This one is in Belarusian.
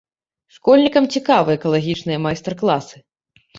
Школьнікам цікавы экалагічныя майстар-класы.